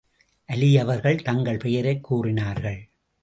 அலி அவர்கள், தங்கள் பெயரைக் கூறினார்கள்.